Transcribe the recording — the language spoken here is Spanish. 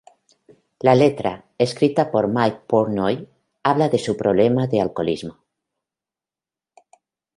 La letra, escrita por Mike Portnoy, habla de su problema de alcoholismo.